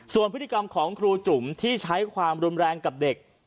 ส่วนพฤติกรรมของครูจุ๋มที่ใช้ความรุนแรงกับเด็ก